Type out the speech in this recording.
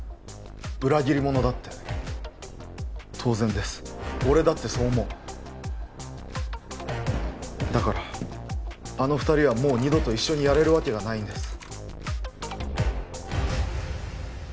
裏切り者だって当然です俺だってそう思うだからあの二人はもう二度と一緒にやれるわけがないんです